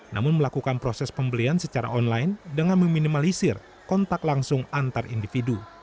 namun melakukan proses pembelian secara online dengan meminimalisir kontak langsung antar individu